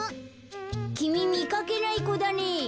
きみみかけないこだね。